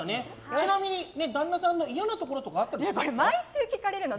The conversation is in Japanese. ちなみに旦那さんの嫌なところとかこれ毎週聞かれるの。